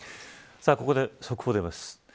ここで速報です。